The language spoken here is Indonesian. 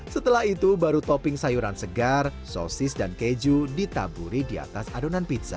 setelah itu baru topping sayuran segar sosis dan keju ditaburi di atas adonan pizza